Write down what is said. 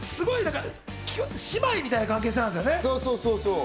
姉妹みたいな関係性なんですよね。